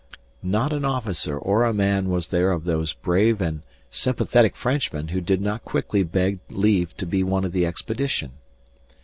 Not an officer or a man was there of those brave and sympathetic Frenchmen who did not quickly beg leave to be one of the expedition.